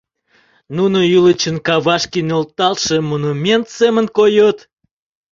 Нуно ӱлычын кавашке нӧлталтше монумент семын койыт.